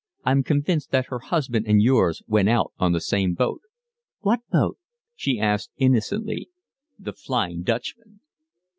"I'm convinced that her husband and yours went out on the same boat." "What boat?" she asked innocently. "The Flying Dutchman."